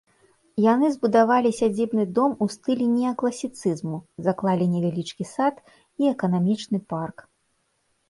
Яна збудавалі сядзібны дом у стылі неакласіцызму, заклалі невялічкі сад і эканамічны парк.